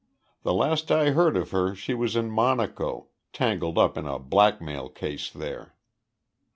The last I heard of her she was in Monaco, tangled up in a blackmail case there.